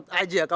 tim t mas rahman